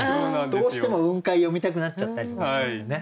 どうしても「雲海」詠みたくなっちゃったりとかしながらね。